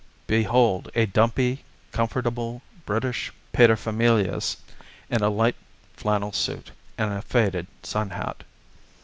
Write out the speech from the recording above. Behold a dumpy, comfortable British paterfamilias in a light flannel suit and a faded sun hat.